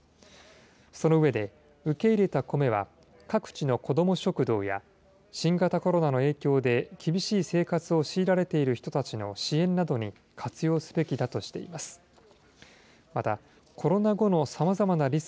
その上で、受け入れたコメは、各地の子ども食堂や、新型コロナの影響で厳しい生活を強いられている人たちの支援などに活用すべきだとしています。